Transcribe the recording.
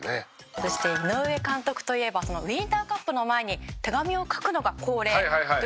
そして井上監督といえばウインターカップの前に手紙を書くのが恒例という事で。